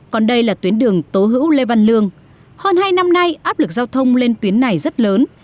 còn đây là tuyến đường tố hữu lê văn lương hơn hai năm nay áp lực giao thông lên tuyến này rất lớn